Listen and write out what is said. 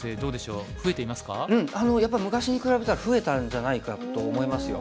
うんやっぱり昔に比べたら増えたんじゃないかと思いますよ。